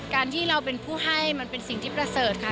การที่เราเป็นผู้ให้มันเป็นสิ่งที่ประเสริฐค่ะ